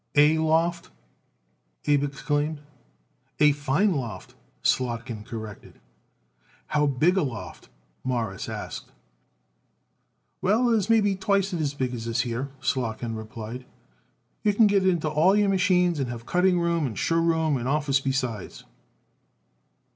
"A loft!" Abe exclaimed. "A fine loft," Slotkin corrected. "How big a loft?" Morris asked. "Well, it is maybe twicet as big as this here," Slotkin replied. "You could get into it all your machines and have a cutting room and show room and office besides."